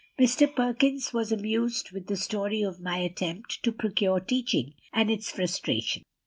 Mr. Perkins was amused with the story of my attempt to procure teaching, and its frustration.